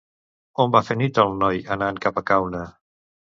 On va fer nit el noi anant cap a Caune?